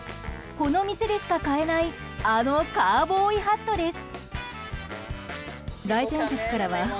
この店でしか買えないあのカウボーイハットです。